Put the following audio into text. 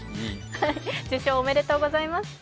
受賞おめでとうございます。